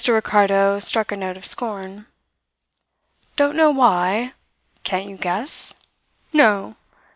Ricardo struck a note of scorn. "Don't know why? Can't you guess? No?